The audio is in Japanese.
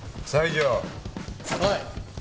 はい。